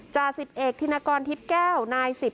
จ่าสิบเอกธินกรทิพย์แก้วนายสิบ